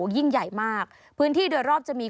ยิ่งใหญ่มากพื้นที่โดยรอบจะมี